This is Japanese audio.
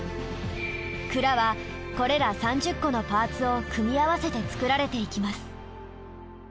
鞍はこれら３０個のパーツを組み合わせて作られていきます。